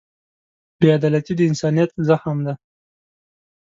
بېعدالتي د انسانیت زخم دی.